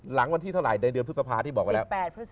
หลังวันที่เท่าไหร่ในเดือนพฤษภาที่บอกไว้แล้ว